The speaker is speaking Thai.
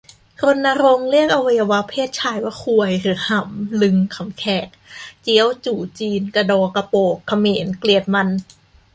รณรงค์เรียกอวัยวะเพศชายว่า "ควย" หรือ "หำ" ลึงค์ คำแขก; เจี๊ยว จู๋ จีน; กะดอ กะโปก เขมร-เกลียดมัน